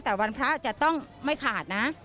แต่วันพระจะต้องไม่ขาดนะ